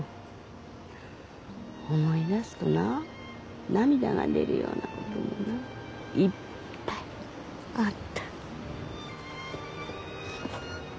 思い出すとな涙が出るようなこともないっぱいあった。